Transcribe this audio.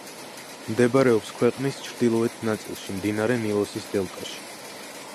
მდებარეობს ქვეყნის ჩრდილოეთ ნაწილში, მდინარე ნილოსის დელტაში.